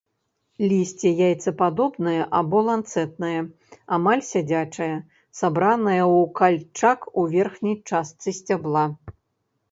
Лісце яйцападобнае або ланцэтнае, амаль сядзячае, сабранае ў кальчак у верхняй частцы сцябла.